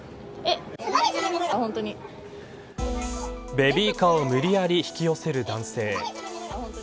ベビーカーを無理やり引き寄せる男性。